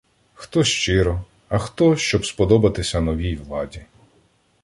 Хто щиро, а хто щоб сподобатися новій владі.